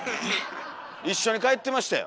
一緒に帰ってましたよ。